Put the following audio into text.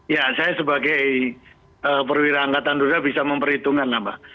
ya saya sebagai perwira angkatan duda bisa memperhitungkan mbak